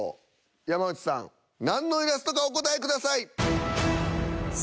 山内さん何のイラストかお答えください。